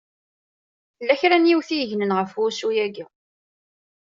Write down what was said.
Tella kra n yiwet i yegnen ɣef wussu-yaki.